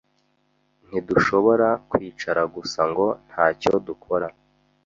Ntidushobora kwicara gusa ngo ntacyo dukora.